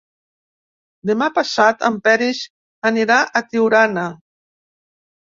Demà passat en Peris anirà a Tiurana.